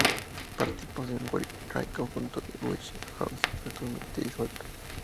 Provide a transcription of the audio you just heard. Participó con White Ring, conjunto de Witch house actualmente disuelto.